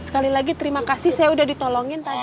sekali lagi terima kasih saya udah ditolongin tadi